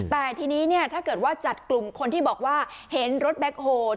แต่ทีนี้เนี่ยถ้าเกิดว่าจัดกลุ่มคนที่บอกว่าเห็นรถแบ็คโฮด